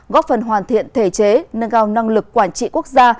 góp phần hoàn thiện thể chế nâng cao năng lực quản trị quốc gia